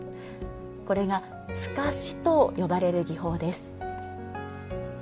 これが「透かし」と呼ばれる技法です。